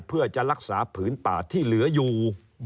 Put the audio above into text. เพื่อจะรักษาผืนป่าที่เหลืออยู่